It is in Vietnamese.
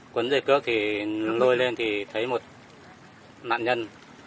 cuốn dây cước thì lôi lên thì thấy một nạn nhân